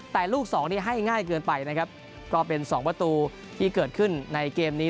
แต่ลูกสองนี่ให้ง่ายเกินไปนะครับก็เป็นสองประตูที่เกิดขึ้นในเกมนี้